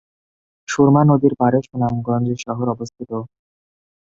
সুরমা নদীর পাড়ে সুনামগঞ্জ শহর অবস্থিত।